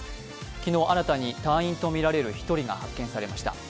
昨日、新たに隊員とみられる１人が発見されました。